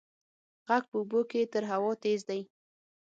غږ په اوبو کې تر هوا تېز دی.